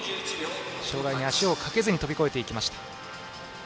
障害に足をかけずに飛び越えていきました。